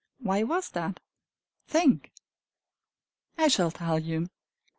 Why was that? Think! I shall tell you.